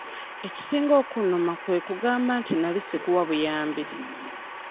Ekisinga okunnuma kwe kugamba nti nali sikuwa buyambi.